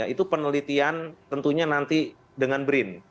itu penelitian tentunya nanti dengan brin